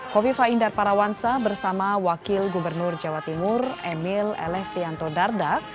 kofifah indar parawansa bersama wakil gubernur jawa timur emil l stianto dardak